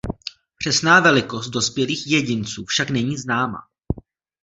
Přesná velikost dospělých jedinců však není známá.